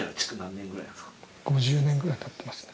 ５０年ぐらい経ってますね。